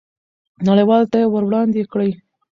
نړیوالو ته یې وړاندې کړئ.